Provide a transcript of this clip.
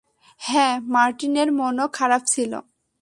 হ্যাঁ, মার্টিনের মনও খারাপ ছিলো।